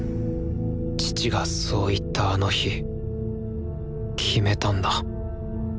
父がそう言ったあの日決めたんだ